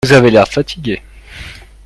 Vous avez l'air fatigué.